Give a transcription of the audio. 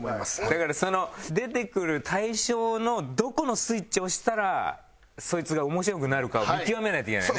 だからその出てくる対象のどこのスイッチを押したらそいつが面白くなるかを見極めないといけないね。